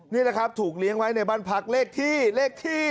นี่นะครับถูกเลี้ยงไว้ในบ้านพักเลขที่เลขที่